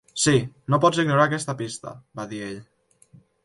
"Sí, no pots ignorar aquesta pista," va dir ell.